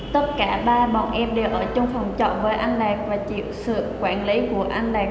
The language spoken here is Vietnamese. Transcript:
tất cả ba bọn em đều ở trong phòng trọ với anh đạt và chịu sự quản lý của anh này